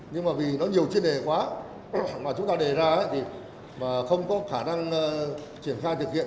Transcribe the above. nhưng mà vì nó nhiều chuyên đề quá mà chúng ta đề ra thì không có khả năng triển khai thực hiện